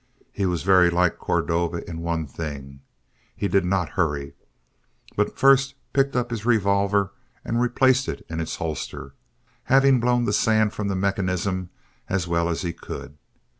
He was very like Cordova in one thing. He did not hurry, but first picked up his revolver and replaced it in its holster, having blown the sand from the mechanism as well as he could.